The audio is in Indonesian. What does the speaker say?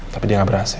tapi dia gak berhasil